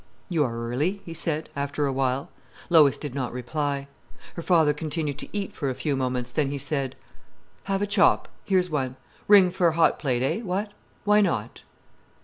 "You are early," he said, after a while. Lois did not reply. Her father continued to eat for a few moments, then he said: "Have a chop—here's one! Ring for a hot plate. Eh, what? Why not?"